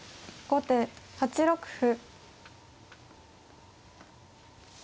後手８六歩。